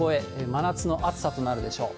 真夏の暑さとなるでしょう。